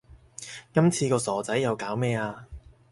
今次個傻仔又搞咩呀